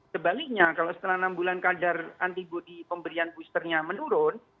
sebaliknya kalau setelah enam bulan kadar antibody pemberian boosternya menurun